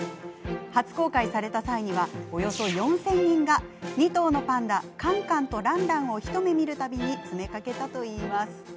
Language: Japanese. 初公開された際にはおよそ４０００人が２頭のパンダカンカンとランランを一目見るために詰めかけたといいます。